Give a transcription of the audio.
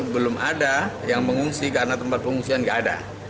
belum ada yang mengungsi karena tempat pengungsian nggak ada